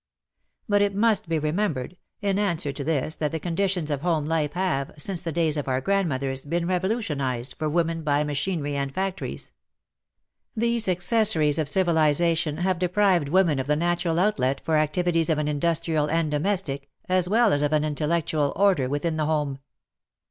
But it must be remembered, in answer to WAR AND WOMEN 213 this, that the conditions of home life have, since the days of our grandmothers, been revolutionized for women by machinery and factories. These accessaries of civilization have deprived v^omen of the natural outlet for activities of an industrial and domestic, as well as of an intellectual, order within the home.